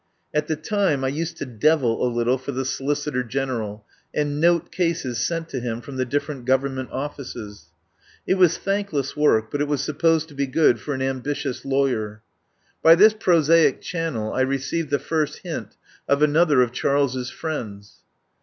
At the time I used to "devil" a little for the Solicitor General, and "note" cases sent to him from the different Government offices. It was thankless work, but it was sup posed to be good for an ambitious lawyer. By 38 1 FIRST HEAR OF ANDREW LUMLEY this prosaic channel I received the first hint of another of Charles's friends.